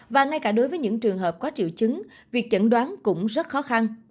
và ngay cả đối với những trường hợp có triệu chứng việc chẩn đoán cũng rất khó khăn